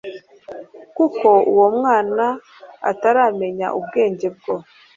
kuko uwo mwana ataramenya ubwenge bwo